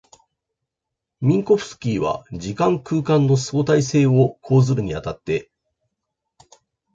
ミンコフスキーは時間空間の相対性を講ずるに当たって、